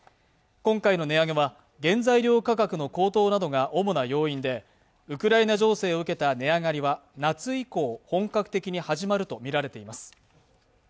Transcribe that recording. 今回の値上げは原材料価格の高騰などが主な要因でウクライナ情勢を受けた値上がりは夏以降本格的に始まると見られています